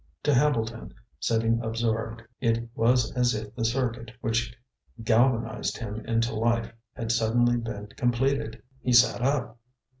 To Hambleton, sitting absorbed, it was as if the circuit which galvanized him into life had suddenly been completed. He sat up.